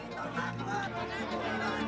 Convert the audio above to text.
kami telah menemukan